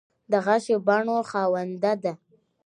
د غشو بڼو خاونده ده